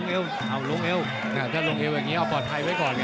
เอาลุงเอ็วเบอร์ไทยไว้ก่อน